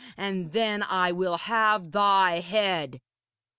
And then I will have thy head.'